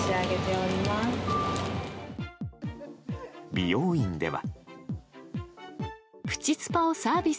美容院では。